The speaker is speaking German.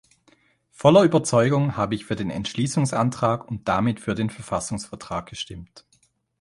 Voller Überzeugung habe ich für den Entschließungsantrag und damit für den Verfassungsvertrag gestimmt.